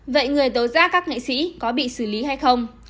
vậy người tố giác các nghệ sĩ có bị xử lý hay không